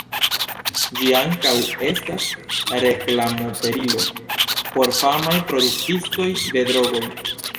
Ĝi ankaŭ estas reklamoperilo por famaj produktistoj de drogoj.